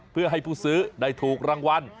เพื่อให้ผู้ซื้อได้ถูกรางวัล